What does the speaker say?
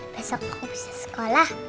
besok aku bisa sekolah